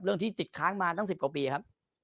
ที่ติดค้างมาตั้ง๑๐กว่าปีครับ